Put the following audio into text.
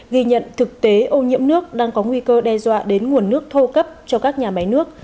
ghi nhận thực tế ô nhiễm nước đang có nguy cơ đe dọa đến nguồn nước thô cấp cho các nhà máy nước